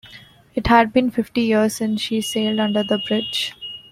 It had been fifty years since she sailed under the bridge.